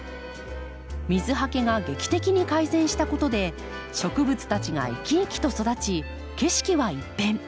水はけが劇的に改善したことで植物たちが生き生きと育ち景色は一変。